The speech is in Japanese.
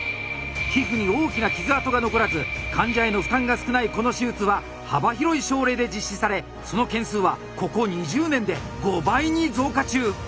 皮膚に大きな傷痕が残らず患者への負担が少ないこの手術は幅広い症例で実施されその件数はここ２０年で５倍に増加中！